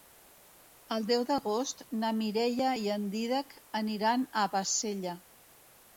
El deu d'agost na Mireia i en Dídac aniran a Bassella.